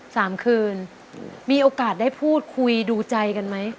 สามคืนมีโอกาสได้พูดคุยดูใจกันไหม